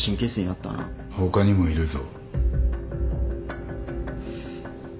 他にもいるぞ。